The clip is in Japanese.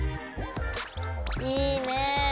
いいね。